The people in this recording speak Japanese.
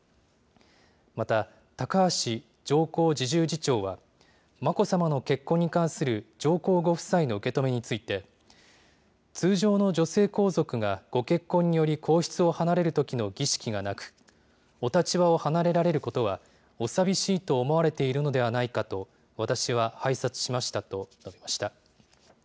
また、高橋上皇侍従次長は、眞子さまの結婚に関する上皇ご夫妻の受け止めについて、通常の女性皇族がご結婚により皇室を離れるときの儀式がなく、お立場を離れられることはお寂しいと思われているのではないかと私は拝察しましたと述べました。